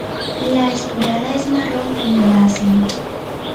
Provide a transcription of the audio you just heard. La esporada es marrón oliváceo.